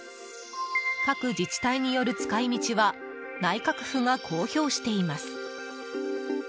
各自治体による使い道は内閣府が公表しています。